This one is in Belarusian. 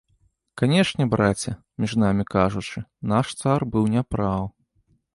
Канешне, браце, між намі кажучы, наш цар быў не праў.